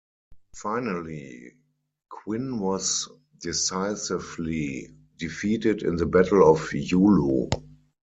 Finally Qin was decisively defeated in the Battle of Julu.